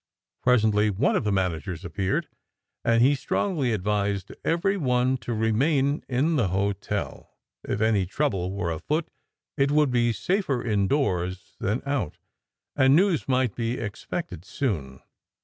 Pres ently one of the managers appeared, and he strongly ad vised every one to remain in the hotel. If any trouble were afoot, it would be safer indoors than out, and news might be expected soon.